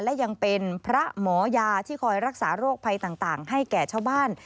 และยังเป็นพระหมอยาที่คอยรักษาโรคภัยต่างให้แก่ชาวบ้าน